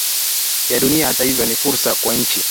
ya dunia Hata hivyo ni fursa kwa nchi